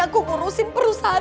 aku ngurusin perusahaan